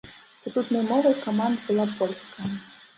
Статутнай мовай каманд была польская.